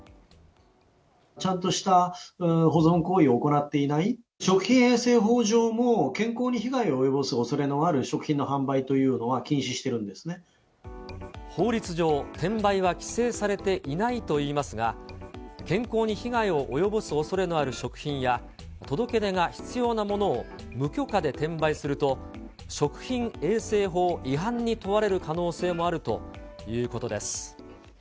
ちゃんとした保存行為を行っていない、食品衛生法上も健康に被害を及ぼすおそれのある食品の販売という法律上、転売は規制されていないといいますが、健康に被害を及ぼす恐れのある食品や、届け出が必要なものを無許可で転売すると、食品衛生法違反に問われる可能性もあるということです。